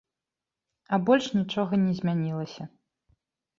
А больш нічога не змянілася.